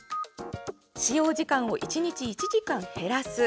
使用時間を１日１時間減らす。